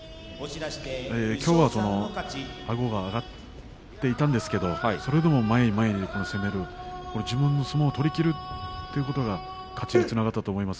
きょうはあごが上がっていましたがそれでも前へ前へ攻める自分の相撲を取りきるということが勝ちにつながったと思います。